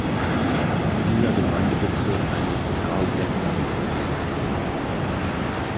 Wiener Gemeindebezirk eine "Karl-Bednarik-Gasse".